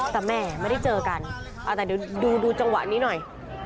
แต่แม่ไม่ได้เจอกันแต่เดี๋ยวดูจังหวะนี้หน่อย